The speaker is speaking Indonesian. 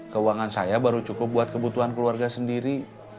keuangan saya baru cukup buat kebutuhan keluarga sendiri